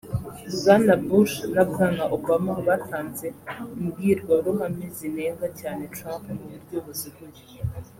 Bwana Bush na Bwana Obama batanze imbwirwaruhame zinenga cyane Trump mu buryo buziguye